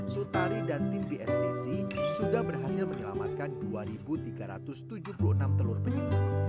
sutari dan tim bstc sudah berhasil menyelamatkan dua tiga ratus tujuh puluh enam telur penyu